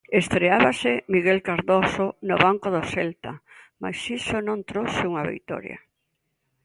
Estreábase Miguel Cardoso no banco do Celta mais iso non trouxo unha vitoria.